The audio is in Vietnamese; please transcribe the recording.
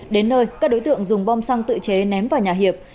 đến nơi các đối tượng dùng bom xăng tự chế ném vào nhà hiệp